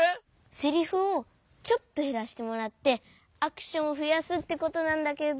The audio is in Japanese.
セリフをちょっとへらしてもらってアクションをふやすってことなんだけど。